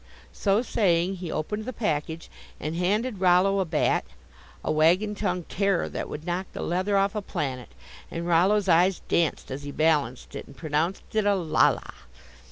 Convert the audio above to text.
So saying he opened the package and handed Rollo a bat, a wagon tongue terror that would knock the leather off a planet, and Rollo's eyes danced as he balanced it and pronounced it a "la la."